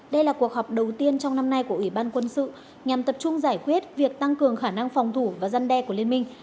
đây là cuộc họp đầu tiên trong năm nay của ủy ban quân sự nhằm tập trung giải quyết việc tăng cường khả năng phòng thủ và giăn đe của liên minh